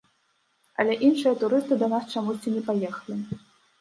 Але іншыя турысты да нас чамусьці не паехалі.